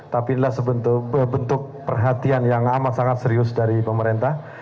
tapi ini sebuah perhatian yang amat serius dari pemerintah